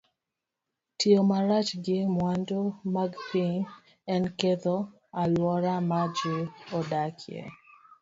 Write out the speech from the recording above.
Tiyo marach gi mwandu mag piny en ketho alwora ma ji odakie.